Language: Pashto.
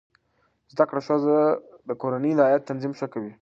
زده کړه ښځه د کورنۍ د عاید تنظیم ښه کوي.